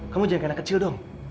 kamu jangan kena kecil dong